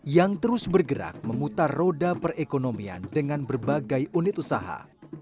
yang terus bergerak memutar roda perekonomian dengan berbagai unit usaha